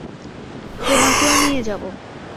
তোমাকেও নিয়ে যাবো।